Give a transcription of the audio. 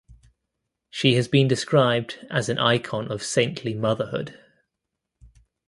She has been described as an icon of saintly motherhood.